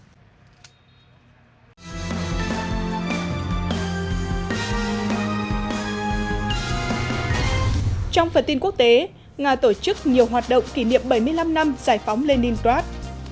trong phần tin quốc tế nga tổ chức nhiều hoạt động kỷ niệm bảy mươi năm năm giải phóng leningrad